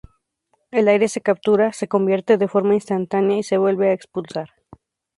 El aire se captura, se convierte de forma instantánea y se vuelve a expulsar.